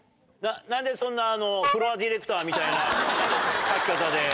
何でそんなフロアディレクターみたいな書き方で。